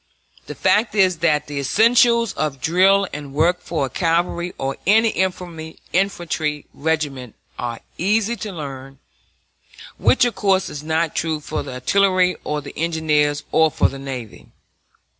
The fact is that the essentials of drill and work for a cavalry or an infantry regiment are easy to learn, which of course is not true for the artillery or the engineers or for the navy.